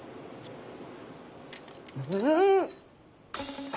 うん！